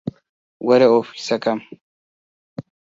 وەرە ئۆفیسەکەم.